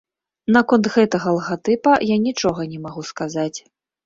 Наконт гэтага лагатыпа я нічога не магу сказаць.